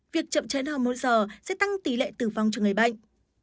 việc chậm trễ mỗi giờ sẽ tăng tỷ lệ tử vong cho người bệnh